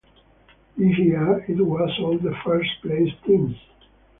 This year, it was all the first place teams.